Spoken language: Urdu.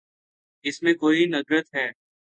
اس میں کوئی ندرت ہے۔